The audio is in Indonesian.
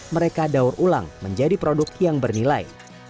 mereka daur ulang menjadi produk yang bernilai